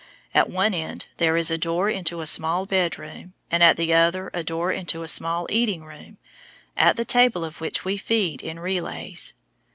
At one end there is a door into a small bedroom, and at the other a door into a small eating room, at the table of which we feed in relays.